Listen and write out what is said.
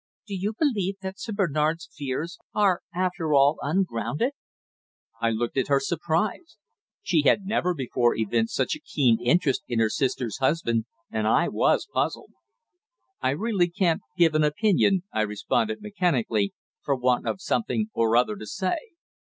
"Do you believe that Sir Bernard's fears are after all ungrounded?" I looked at her surprised. She had never before evinced such a keen interest in her sister's husband, and I was puzzled. "I really can't give an opinion," I responded mechanically, for want of something or other to say.